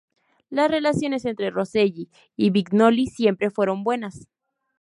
Las relaciones entre Rosselli y Vignoli siempre fueron buenas.